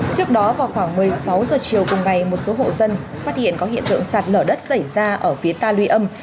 trước đó vào khoảng một mươi sáu h chiều cùng ngày một số hộ dân phát hiện có hiện tượng sạt lở đất xảy ra ở phía ta luy âm